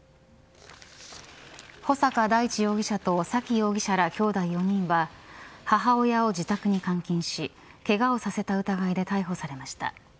穂坂大地容疑者と沙喜容疑者らきょうだい４人は母親を自宅に監禁しけがをさせた疑いで逮捕されました。